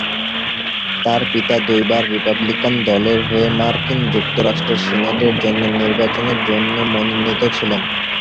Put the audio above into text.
তার পিতা দুইবার রিপাবলিকান দলের হয়ে মার্কিন যুক্তরাষ্ট্রের সিনেটের জন্য নির্বাচনের জন্য মনোনীত ছিলেন।